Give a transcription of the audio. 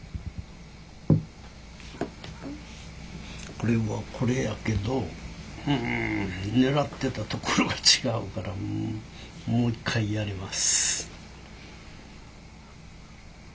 これはこれやけど狙ってたところが違うからもう一回やります。